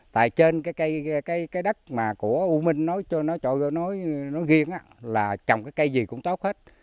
tại trên cái đất của u minh nói cho nó ghiêng là trồng cái cây gì cũng tốt hết